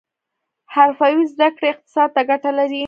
حرفوي زده کړې اقتصاد ته ګټه لري